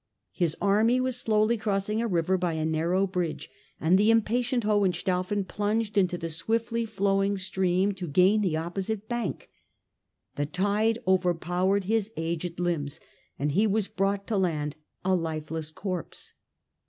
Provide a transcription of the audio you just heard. His army was slowly crossing a river by a narrow bridge and the impatient Hohenstaufen plunged into the swiftly flowing stream to gain the opposite bank. The tide overpowered his aged limbs and he was brought to land a lifeless corpse.